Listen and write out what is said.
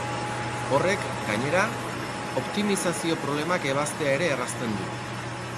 Horrek, gainera, optimizazio problemak ebaztea ere errazten du.